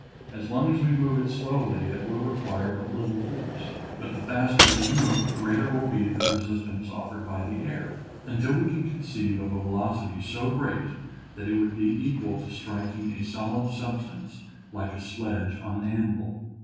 As long as we move it slowly it will require but little force, but the faster it is moved the greater will be the resistance offered by the air, until we can con ceive of a velocity so great that it would be equal to striking a solid substance like a sledge on an anvil.